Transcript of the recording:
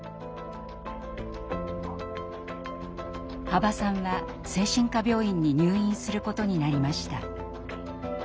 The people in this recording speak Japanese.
羽馬さんは精神科病院に入院することになりました。